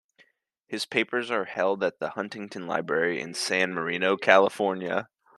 His papers are held at the Huntington Library in San Marino, California.